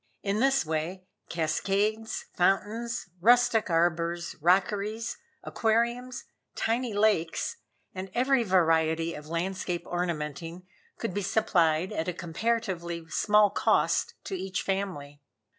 In this way, cascades, fountains, rustic arbors, rockeries, aquariums, tiny lakes, and every variety of landscape ornamenting, could be supplied at a comparatively small cost to each family.